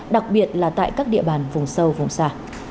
đặc biệt là tại các địa bàn vùng sâu vùng xa